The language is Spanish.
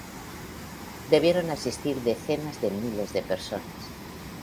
Debieron asistir decenas de miles de personas.